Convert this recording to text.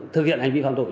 thực hiện hành vi phạm tội